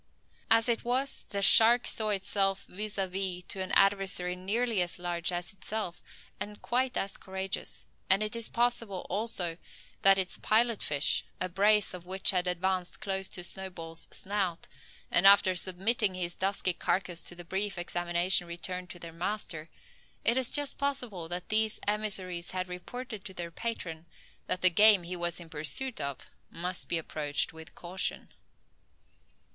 As it was, the shark saw itself vis a vis to an adversary nearly as large as itself and quite as courageous; and it is possible also that its pilot fish, a brace of which had advanced close to Snowball's snout, and after submitting his dusky carcass to a brief examination returned to their master, it is just possible that these emissaries had reported to their patron, that the game he was in pursuit of must be approached with caution.